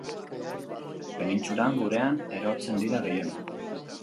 Penintsulan, gurean, erortzen dira gehien.